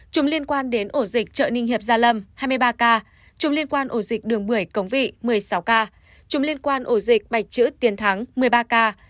chủng liên quan đến ổ dịch chợ ninh hiệp gia lâm hai mươi ba ca chủng liên quan ổ dịch đường một mươi cống vị một mươi sáu ca chủng liên quan ổ dịch bạch chữ tiên thắng một mươi ba ca